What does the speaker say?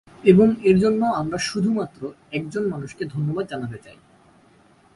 এবং এর জন্য আমরা শুধুমাত্র একজন মানুষকে ধন্যবাদ জানাতে চাই।